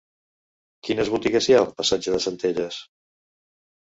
Quines botigues hi ha al passatge de Centelles?